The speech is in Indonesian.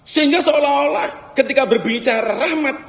sehingga seolah olah ketika berbicara rahmat